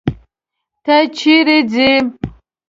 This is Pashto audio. ته چيري ځې.